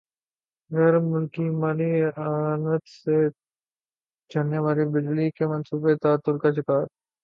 غیر ملکی مالی اعانت سے چلنے والے بجلی کے منصوبے تعطل کا شکار